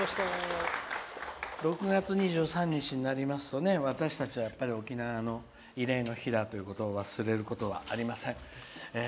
６月２３日になりますと私たちはやっぱり沖縄の慰霊の日だということを忘れることはありません。